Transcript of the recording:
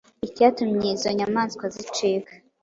icyatumye izo nyamaswa zicika